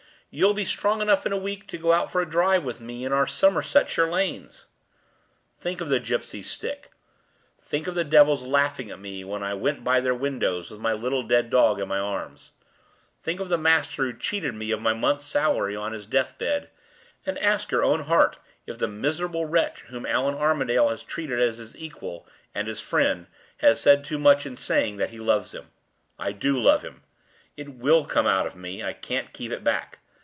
You'll be strong enough in a week to go out for a drive with me in our Somersetshire lanes.' Think of the gypsy's stick; think of the devils laughing at me when I went by their windows with my little dead dog in my arms; think of the master who cheated me of my month's salary on his deathbed and ask your own heart if the miserable wretch whom Allan Armadale has treated as his equal and his friend has said too much in saying that he loves him? I do love him! It will come out of me; I can't keep it back.